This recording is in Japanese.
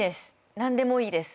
何でもいいです